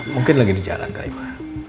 mungkin lagi di jalan kali ma